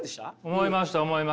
思いました思いました。